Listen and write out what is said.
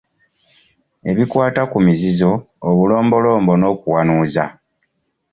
Ebikwata ku mizizo obulombolombo n'okuwanuuza.